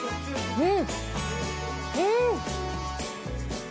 うん！